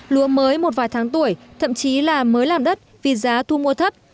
lúa mới một vài tháng tuổi thậm chí là mới làm đất vì giá thu mua thấp